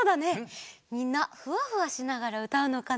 みんなふわふわしながらうたうのかな。